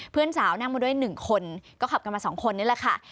หญิงสาวนั่งมาด้วยหนึ่งคนก็ขับกันมาสองคนนี้แหละค่ะ